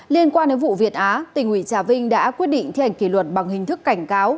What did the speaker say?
liên quan đến vụ việt á tỉnh ủy trà vinh đã quyết định thi hành kỷ luật bằng hình thức cảnh cáo